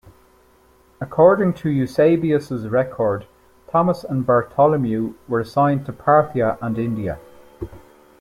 According to Eusebius' record, Thomas and Bartholomew were assigned to Parthia and India.